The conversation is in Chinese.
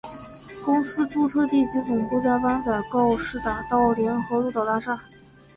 公司注册地及总部在湾仔告士打道联合鹿岛大厦。